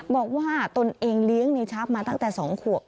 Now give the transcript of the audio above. บอกว่าตนเองเลี้ยงนายชาร์ปมาตั้งแต่๒ขวก